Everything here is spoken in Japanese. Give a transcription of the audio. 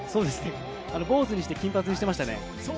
坊主にして金髪にしてましたね。